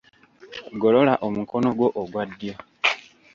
Golola omukono gwo ogwa ddyo.